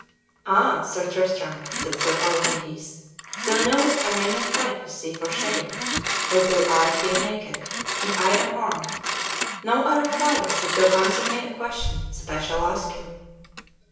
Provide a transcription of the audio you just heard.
"Ah, Sir Tristram!" said Sir Palamedes, "thou knowest I may not fight with thee for shame; for thou art here naked, and I am armed; now I require that thou answer me a question that I shall ask you."